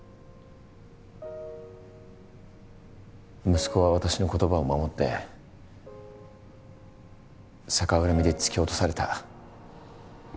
息子は私の言葉を守って逆恨みで突き落とされた。